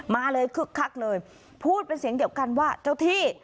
มาเลยคึกคักเลยพูดเป็นเสียงเดียวกันว่าเจ้าที่